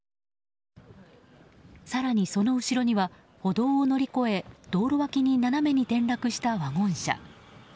更に、その後ろには歩道を乗り越え道路脇に斜めに転落したワゴン車。